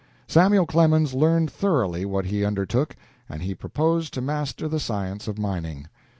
Samuel Clemens learned thoroughly what he undertook, and he proposed to master the science of mining.